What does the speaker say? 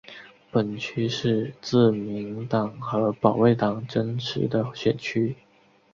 本区是自民党和保守党争持的选区。